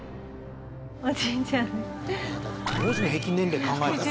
当時の平均年齢考えたら。